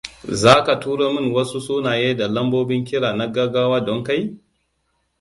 Za ka turo min wasu sunaye da lambobin kiran na gaggawa don kai?